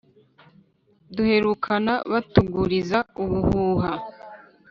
duherukana batuvugiriza ubuhuha